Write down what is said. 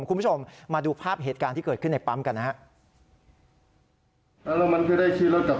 คุณผู้ชมมาดูภาพเหตุการณ์ที่เกิดขึ้นในปั๊มกันนะครับ